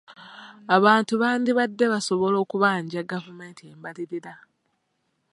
Abantu bandibadde basobola okubanja gavumenti embalirira.